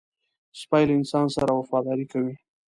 سپي له انسان سره وفاداري کوي.